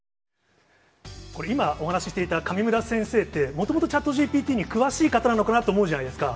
これ、今、お話ししていたかみむら先生って、もともとチャットＧＰＴに詳しい方なのかなと思うじゃないですか。